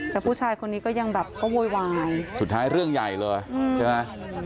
แต่ผู้ชายคนนี้ก็ยังแบบก็โวยวายสุดท้ายเรื่องใหญ่เลยใช่ไหม